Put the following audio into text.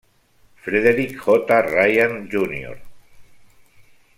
Frederick J. Ryan Jr.